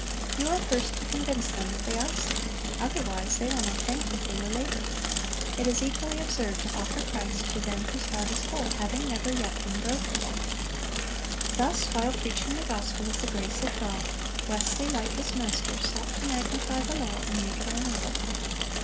You are first to convince them that they are sick; otherwise they will not thank you for your labor. It is equally absurd to offer Christ to them whose heart is whole, having never yet been broken."(382) Thus while preaching the gospel of the grace of God, Wesley, like his Master, sought to "magnify the law, and make it honorable."